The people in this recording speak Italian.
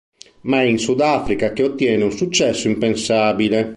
Ma è in Sudafrica che ottiene un successo impensabile.